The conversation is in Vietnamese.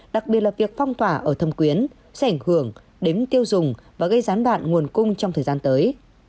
đặc biệt là việc phong tỏa ở thâm quyến sẽ ảnh hưởng đến tiêu dùng và gây gián đoạn nguồn cung trong thời gian tới